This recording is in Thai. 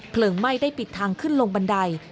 ไหม้ได้ปิดทางขึ้นลงบันได